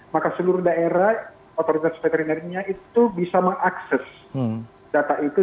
maka seluruh daerah otoritas veterinernya itu bisa mengakses data itu